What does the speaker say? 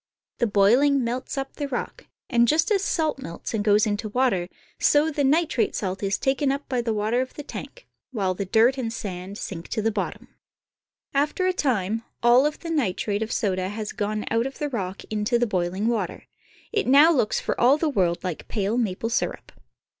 The boiling melts up the rock, and just as salt melts and goes into water, so the nitrate salt is taken up by the water of the tank, while the dirt and sand sink to the bottom. After a time all of the nitrate of soda has gone out of the rock into the boiling water. It now looks for all the world like pale maple sirup. \\ iMmMm^?^ ^^.\" 'V. •■•.^.. V ^•.